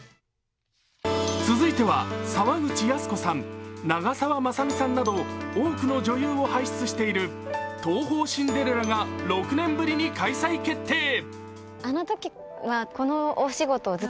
続いては、沢口靖子さん長澤まさみさんなど多くの女優を輩出している東宝シンデレラが６年ぶりに開催決定。